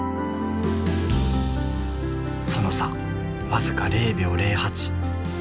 その差僅か０秒０８。